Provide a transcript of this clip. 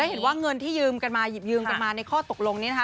เห็นว่าเงินที่ยืมกันมาหยิบยืมกันมาในข้อตกลงนี้นะคะ